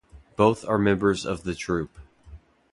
Both are members of the troupe.